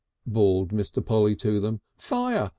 bawled Mr. Polly to them. "Fire!